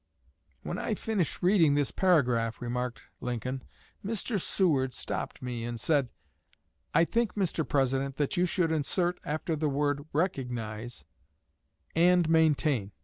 "When I finished reading this paragraph," remarked Lincoln, "Mr. Seward stopped me, and said, 'I think, Mr. President, that you should insert after the word "recognize" "and maintain."'